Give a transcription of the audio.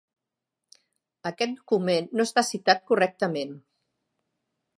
Aquest document no està citat correctament.